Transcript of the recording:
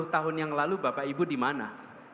empat puluh tahun yang lalu bapak ibu dimana